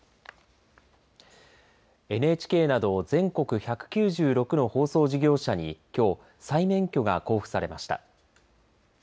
ＮＨＫなど全国１９６の放送事業者にきょう再免許が交付されました。